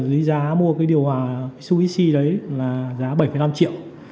giá mua cái điều hòa mitsubishi đấy là giá bảy năm triệu